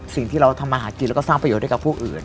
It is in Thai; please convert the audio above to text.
สิ่งที่เราทำมาหากินสร้างประโยชน์ด้วยกับพวกอื่น